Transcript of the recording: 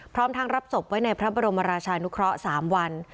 พร้อมทางรับศพไว้ในพระบรมราชานุเคราะห์๓วัน